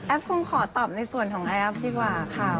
คงขอตอบในส่วนของแอฟดีกว่าค่ะ